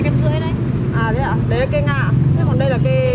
à thế ạ đấy là cây nga ạ còn đây là cây